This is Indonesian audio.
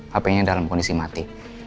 hp nya dalam kondisi mati